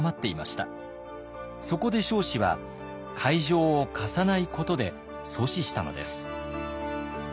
そこで彰子は会場を貸さないことで阻止したのです。